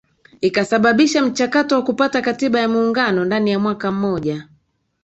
Ikasababisha mchakato wa kupata Katiba ya Muungano ndani ya mwaka mmoja